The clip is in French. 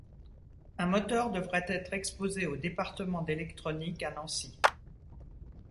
Un moteur devrait être exposé au Département d'Électronique, Nancy.